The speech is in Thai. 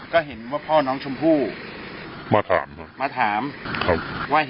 ก็เห็นว่าพ่อน้องชมพู่มาถามเวลาไหมครับ